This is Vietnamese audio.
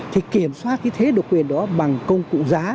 thì kiểm soát cái thế độc quyền đó bằng công cụ giá